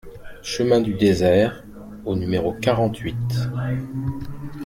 Chemin du Désert au numéro quarante-huit